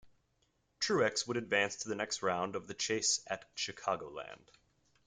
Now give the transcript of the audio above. Truex would advance to the next round of the Chase at Chicagoland.